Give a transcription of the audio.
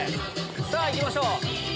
さぁいきましょう！